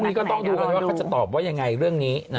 พู่นี้ก็ต้องดูว่าเขาจะตอบว่าอย่างไรเรื่องนี้นะฮะ